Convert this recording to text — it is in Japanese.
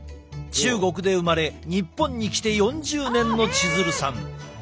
中国で生まれ日本に来て４０年の千鶴さん。